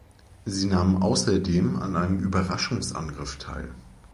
Sie nahm außerdem an einem Überraschungsangriff teil.